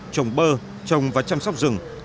trồng bơ trồng và chăm sóc rừng